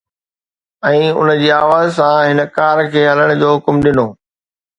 ۽ ان جي آواز سان، هن ڪار کي هلڻ جو حڪم ڏنو.